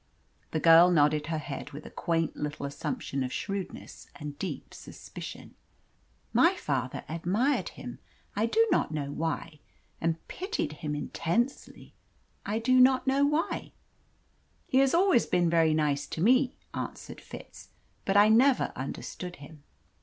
The girl nodded her head with a quaint little assumption of shrewdness and deep suspicion. "My father admired him I do not know why. And pitied him intensely I do not know why." "He was always very nice to me," answered Fitz, "but I never understood him."